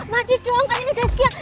mandi dong kan ini udah siang